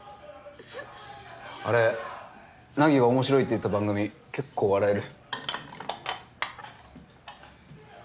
あれ凪が面白いって言った番組結構笑える。